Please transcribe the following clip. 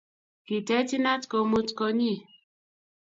Kiteech inat komuut konyyi